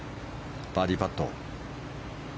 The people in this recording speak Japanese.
バーディーパット。